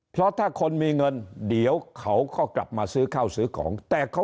เพราะถ้าคนมีเงินเดี๋ยวเขาก็กลับมาซื้อข้าวซื้อของแต่เขา